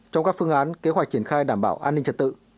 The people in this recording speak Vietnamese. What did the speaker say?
trong các phương án kế hoạch triển khai đảm bảo an ninh trật tự